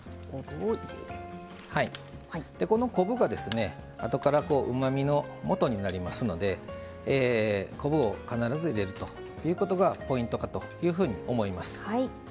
この昆布が、あとからうまみのもとになりますので昆布を必ず入れるということがポイントかというふうに思います。